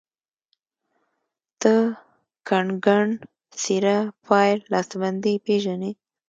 ته کنګڼ ،سيره، پايل، لاسبندي پيژنې